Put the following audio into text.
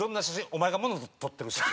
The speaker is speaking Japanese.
お前が物取ってる写真？